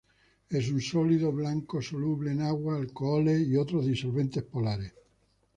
Es un sólido blanco soluble en agua, alcoholes, y otros disolventes polares.